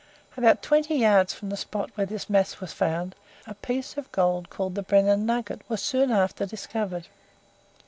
About twenty yards from the spot where this mass was found, a piece of gold called the "Brennan Nugget" was soon after discovered.